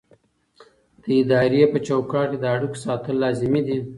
د ادارې په چوکاټ کې د اړیکو ساتل لازمي دي.